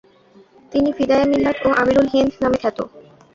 তিনি ফিদায়ে মিল্লাত ও আমিরুল হিন্দ নামে খ্যাত।